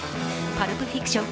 「パルプ・フィクション」